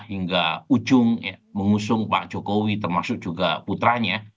hingga ujung mengusung pak jokowi termasuk juga putranya